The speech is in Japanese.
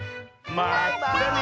まったね！